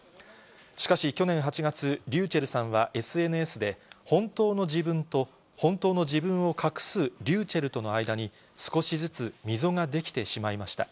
しかし去年８月、ｒｙｕｃｈｅｌｌさんはＳＮＳで、本当の自分と本当の自分を隠すｒｙｕｃｈｅｌｌとの間に少しずつ溝が出来てしまいました。